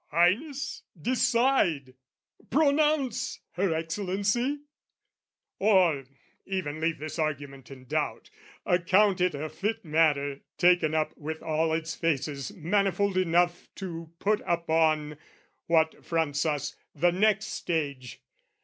Highness, decide! Pronounce, Her Excellency! Or...even leave this argument in doubt, Account it a fit matter, taken up With all its faces, manifold enough, To put upon what fronts us, the next stage.